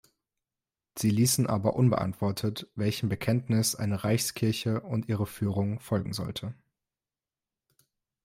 Sie ließen aber unbeantwortet, welchem Bekenntnis eine Reichskirche und ihre Führung folgen sollte.